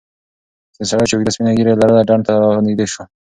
یو سړی چې اوږده سپینه ږیره یې لرله ډنډ ته رانږدې شو.